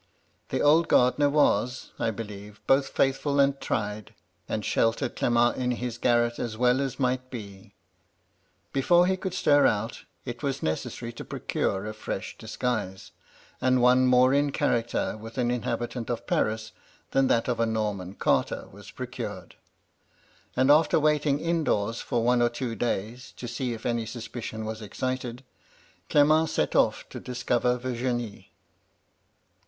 "The old gardener was, I believe, both faithful and tried, and sheltered Clement in his garret as well as might be. Before he could stir out, it was necessary to procure a fresh disguise ; and one more in character with an inhabitant of Paris than that of a Norman carter was procured; and, after waiting in doors for one or two days, to see if any suspicion was exdted, Clement set oflF to discover Virginie.